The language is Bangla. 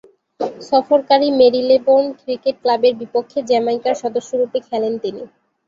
সফরকারী মেরিলেবোন ক্রিকেট ক্লাবের বিপক্ষে জ্যামাইকার সদস্যরূপে খেলেন তিনি।